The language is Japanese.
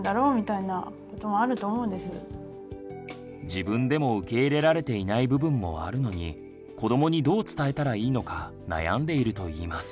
自分でも受け入れられていない部分もあるのに子どもにどう伝えたらいいのか悩んでいるといいます。